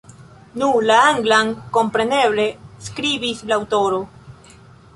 Nu, la anglan, kompreneble, skribis la aŭtoro.